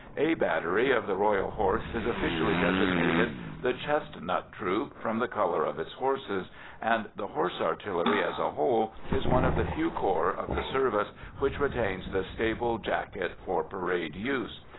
"A" Battery of the Royal Horse is officially designated the "Chestnut" troop, from the colour of its horses, and the Horse Artillery as a whole is one of the few corps of the service which retains the stable jacket for parade use.